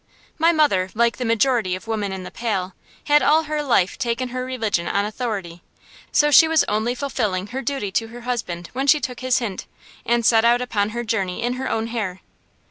My mother, like the majority of women in the Pale, had all her life taken her religion on authority; so she was only fulfilling her duty to her husband when she took his hint, and set out upon her journey in her own hair.